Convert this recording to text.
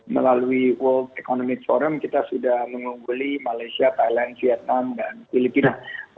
melalui world economic forum kita sudah mengungguli malaysia thailand vietnam dan filipina